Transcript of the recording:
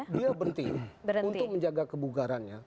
dia penting untuk menjaga kebugarannya